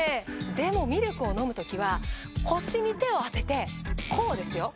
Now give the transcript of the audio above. でもミルクを飲む時は腰に手を当ててこうですよ。